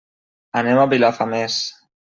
Anem a Vilafamés.